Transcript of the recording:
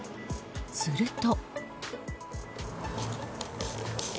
すると。